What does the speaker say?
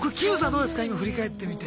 どうですか今振り返ってみて。